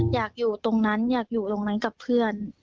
อยากอยู่ตรงนั้นอยากอยู่ตรงนั้นกับเพื่อน